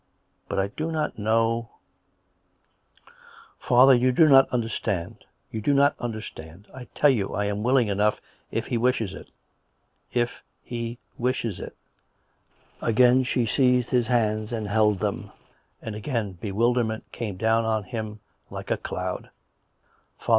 But I do not know "" Father, you do not understand— you do not under stand. I tell you I am willing enough, if he wishes it ... if he wishes it." Again she seized his hands and held them. And again bewilderment came down on him like a cloud. " Father